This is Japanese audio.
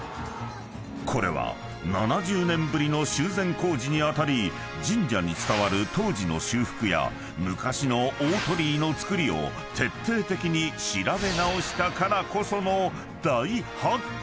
［これは７０年ぶりの修繕工事に当たり神社に伝わる当時の修復や昔の大鳥居の造りを徹底的に調べ直したからこその大発見！］